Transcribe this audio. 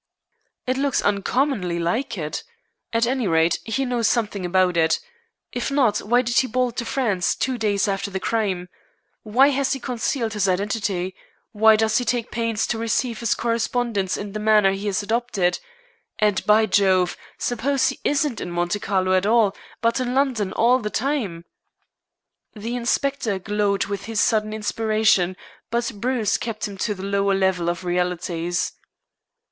"It looks uncommonly like it. At any rate, he knows something about it. If not, why did he bolt to France two days after the crime? Why has he concealed his identity? Why does he take pains to receive his correspondence in the manner he has adopted? And, by Jove! suppose he isn't in Monte Carlo at all, but in London all the time!" The inspector glowed with his sudden inspiration, but Bruce kept him to the lower level of realities.